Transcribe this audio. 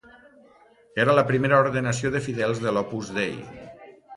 Era la primera ordenació de fidels de l’Opus Dei.